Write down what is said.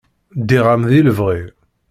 Ddiɣ-am di lebɣi.